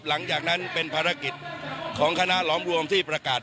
หลังจากนั้นเป็นภารกิจของคณะหลอมรวมที่ประกาศ